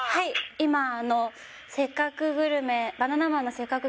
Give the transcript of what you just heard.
今あの「せっかくグルメ」